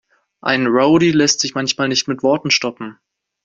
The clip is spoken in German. Ein Rowdy lässt sich manchmal nicht mit Worten stoppen.